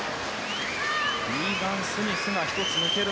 リーガン・スミスが１つ抜ける